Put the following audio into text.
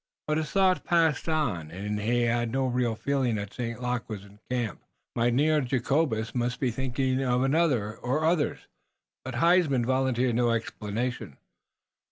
But his thought passed on. He had no real feeling that St. Luc was in the camp. Mynheer Jacobus must be thinking of another or others. But Huysman volunteered no explanation.